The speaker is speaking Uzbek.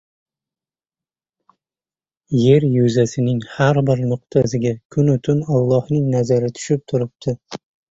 Yer yuzasining har bir nuqtasiga, kunu tun Allohning nazari tushib turibdi.